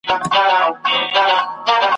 کښتۍ سورۍ څښتن ګمراه دی په توپان اعتبار نسته ..